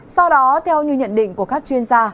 sau đó theo như nhận định của các chuyên gia